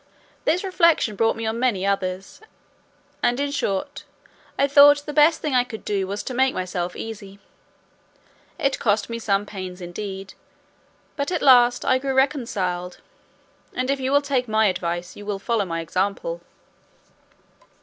This reflection brought on many others; and in short, I thought the best thing I could do was to make myself easy. It cost me some pains indeed, but at last I grew reconciled; and if you will take my advice, you will follow my example."